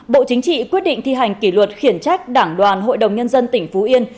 bộ chính trị quyết định thi hành kỷ luật khiển trách đảng đoàn hội đồng nhân dân tỉnh phú yên